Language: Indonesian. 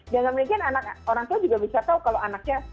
jangan berpikir orang tua juga bisa tahu kalau anaknya